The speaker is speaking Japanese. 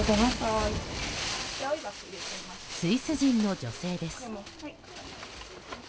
スイス人の女性です。